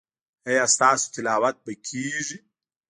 ایا ستاسو تلاوت به کیږي؟